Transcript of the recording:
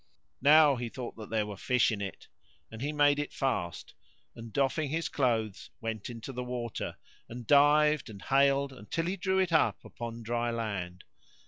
Now he thought that there were fish in it, and he made it fast, and doffing his clothes went into the water, and dived and haled until he drew it up upon dry land.